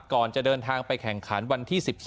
ก่อนจะเดินทางไปแข่งขันวันที่๑๒